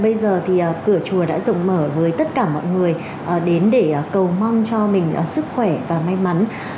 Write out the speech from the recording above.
bây giờ thì cửa chùa đã rộng mở với tất cả mọi người đến để cầu mong cho mình sức khỏe và may mắn